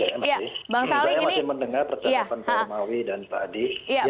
saya masih mendengar pertanyaan pak imawi dan pak adi